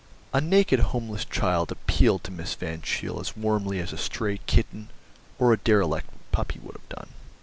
A naked homeless child appealed to Miss Van Cheele as warmly as a stray kitten or derelict puppy would have done.